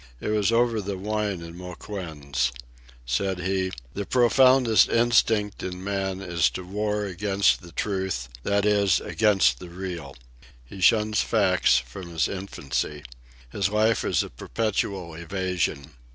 It was over the wine in Mouquin's. Said he: "The profoundest instinct in man is to war against the truth; that is, against the Real. He shuns facts from his infancy. His life is a perpetual evasion.